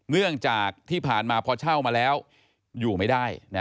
เนื่องจากที่ผ่านมาพอเช่ามาแล้วอยู่ไม่ได้